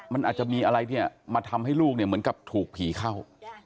มันอาจจะมีอะไรเนี่ยมาทำให้ลูกเนี่ยเหมือนกับถูกผีเข้า